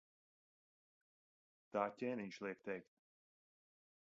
Tā ķēniņš liek teikt.